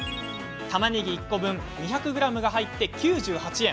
たまねぎ１個分２００ｇ入って９８円。